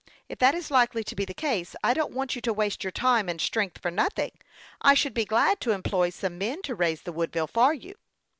If that is likely to be the case, I don't want you to waste your time and strength for nothing. I should be glad to employ some men to raise the Woodville for you."